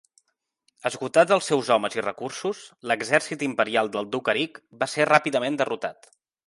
Esgotats els seus homes i recursos, l'exèrcit imperial del duc Eric va ser ràpidament derrotat.